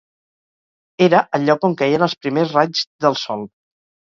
Era el lloc on queien els primers raigs del Sol.